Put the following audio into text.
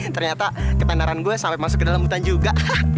ternyata ketenaran gue sampe masuk ke dalam hutan juga